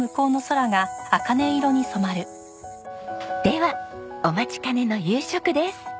ではお待ちかねの夕食です。